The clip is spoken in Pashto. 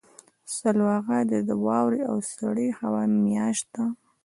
سلواغه د واورې او سړې هوا میاشت ده.